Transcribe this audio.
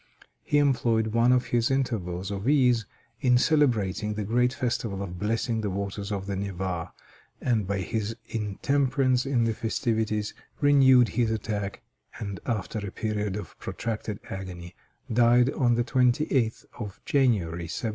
He employed one of his intervals of ease in celebrating the great festival of blessing the waters of the Neva, and by his intemperance in the festivities renewed his attack, and after a period of protracted agony, died on the 28th of January, 1725.